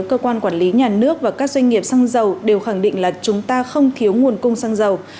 cơ quan quản lý nhà nước và các doanh nghiệp xăng dầu đều khẳng định là chúng ta không thiếu nguồn cung xăng dầu